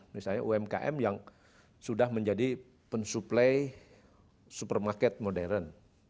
misalnya umkm yang sudah menjadi pen supply supermarket modern